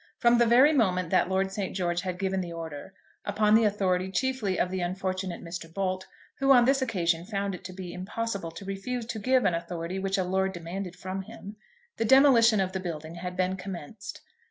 From the very moment that Lord St. George had given the order, upon the authority chiefly of the unfortunate Mr. Bolt, who on this occasion found it to be impossible to refuse to give an authority which a lord demanded from him, the demolition of the building had been commenced.